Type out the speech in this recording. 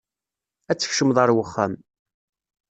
Ad tkecmeḍ ar waxxam.